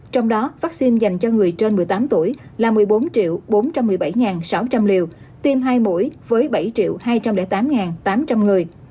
trong đó vaccine dành cho người trên một mươi tám tuổi là một mươi bốn bốn trăm một mươi bảy sáu trăm linh liều tiêm hai mũi với bảy hai trăm linh tám tám trăm linh người